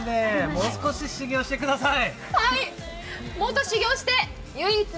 もう少し修業してください。